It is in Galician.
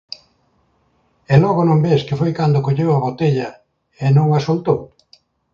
_E logo, non ves que foi cando colleu a botella e non a soltou.